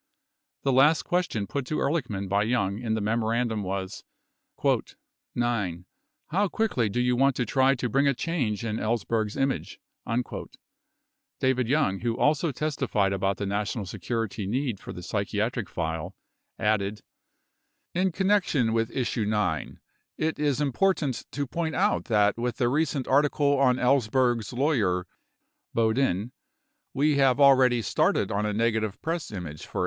17 The last question put to Ehrlichman by Young in the memorandum was: "(9) How quickly do we want to try to bring a change in Ellsberg's image?" 18 David Young, who also testi fied about the national security need for the psychiatric file, added : In connection with issue (9), it is important to point out that with the recent article on Ellsberg's lawyer, Boudin, we have already started on a negative press image for Ellsberg.